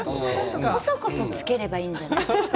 こそこそつければいいんじゃないですか？